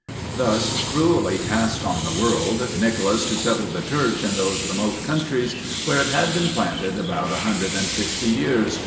Thus cruelly cast on the world, Nicholas to settle the church in those remote countries, where it had been planted about 150 years.